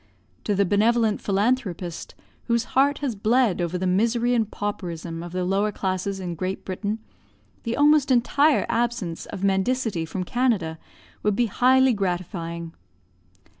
To the benevolent philanthropist, whose heart has bled over the misery and pauperism of the lower classes in Great Britain, the almost entire absence of mendicity from Canada would be highly gratifying.